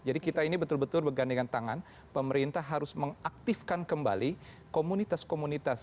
jadi kita ini betul betul berganda dengan tangan pemerintah harus mengaktifkan kembali komunitas komunitas